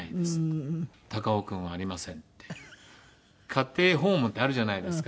家庭訪問ってあるじゃないですか先生の。